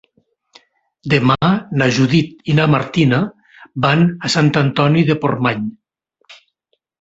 Demà na Judit i na Martina van a Sant Antoni de Portmany.